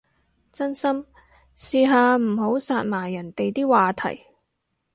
真心，試下唔好殺埋人哋啲話題